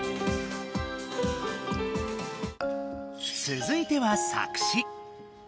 つづいては作詞。